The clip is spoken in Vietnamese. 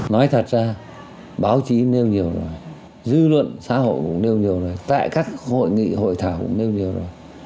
nói thật ra báo chí nêu nhiều là dư luận xã hội cũng nêu nhiều là tại các hội nghị hội thảo cũng nêu nhiều rồi